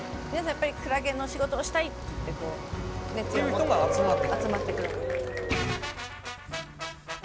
やっぱりクラゲの仕事をしたいって熱意を持って。っていう人が集まってくる。